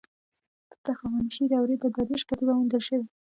دلته د هخامنشي دورې د داریوش کتیبه موندل شوې